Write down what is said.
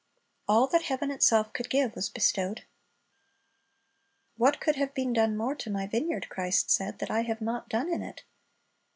All that heaven itself could give was bestowed. "What could have been done more to My vineyard," Christ said, "that I have not done in it?"